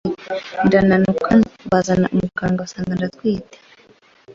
ndananuka azana umuganga basanga ndatwite.